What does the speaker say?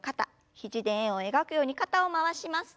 肘で円を描くように肩を回します。